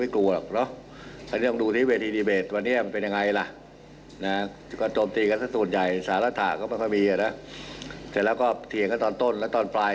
กระทรวงนี้กระทรวงโน้น